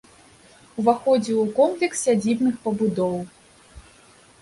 Уваходзіў у комплекс сядзібных пабудоў.